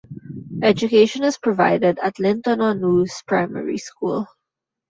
Education is provided at Linton-on-Ouse Primary School.